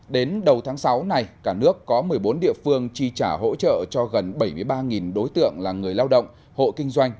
đến đầu tháng sáu này cả nước có một mươi bốn địa phương chi trả hỗ trợ cho gần bảy mươi ba đối tượng là người lao động hộ kinh doanh